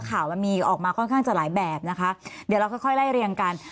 ข่าวมันมีออกมาค่อนข้างจะหลายแบบนะคะเดี๋ยวเราค่อยค่อยไล่เรียงกัน